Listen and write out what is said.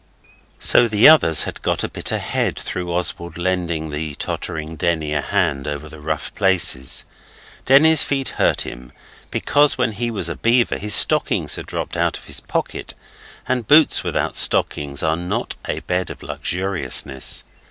So the others had got a bit ahead through Oswald lending the tottering Denny a hand over the rough places. Denny's feet hurt him, because when he was a beaver his stockings had dropped out of his pocket, and boots without stockings are not a bed of luxuriousness.